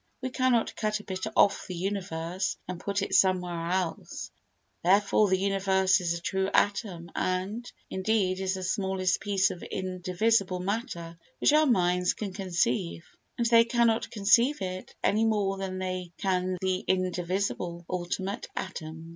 We cannot cut a bit off the universe and put it somewhere else. Therefore, the universe is a true atom and, indeed, is the smallest piece of indivisible matter which our minds can conceive; and they cannot conceive it any more than they can the indivisible, ultimate atom.